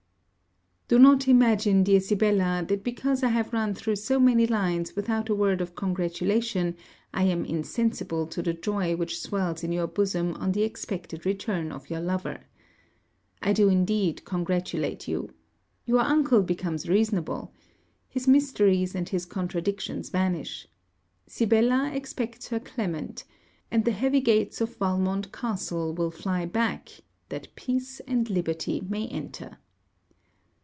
Do not imagine, dear Sibella, that because I have run through so many lines without a word of congratulation I am insensible to the joy which swells in your bosom on the expected return of your lover. I do indeed congratulate you. Your uncle becomes reasonable. His mysteries and his contradictions vanish. Sibella expects her Clement; and the heavy gates of Valmont Castle will fly back, that peace and liberty may enter.